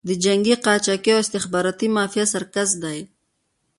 د جنګي قاچاقي او استخباراتي مافیا سرکس دی.